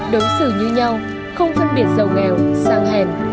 đối xử như nhau không phân biệt giàu nghèo sang hèn